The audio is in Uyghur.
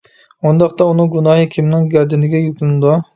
ئۇنداقتا ئۇنىڭ گۇناھى كىمنىڭ گەردىنىگە يۈكلىنىدۇ؟ !